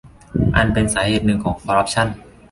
อันเป็นสาเหตุหนึ่งของคอร์รัปชั่น